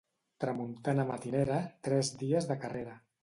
Tramuntana matinera, tres dies de carrera.